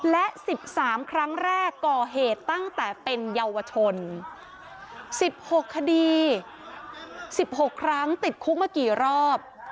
และ๑๓ครั้งแรกก่อเหตุตั้งแต่เป็นเยาวชน๑๖คดี๑๖ครั้งติดคุกมากี่รอบ